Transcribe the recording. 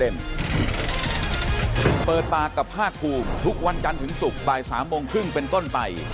๓โมงครึ่งเป็นก้นไป